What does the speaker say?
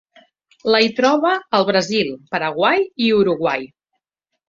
La hi troba al Brasil, Paraguai i Uruguai.